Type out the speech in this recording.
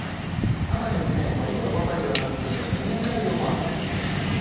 ただですね、いいことばかりではなくて、ちょっと懸念材料もあるというんです。